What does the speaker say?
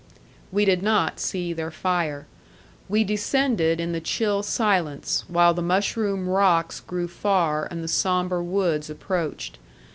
We did not see their fire. We descended in the chill silence, while the mushroom rocks grew far and the sombre woods approached.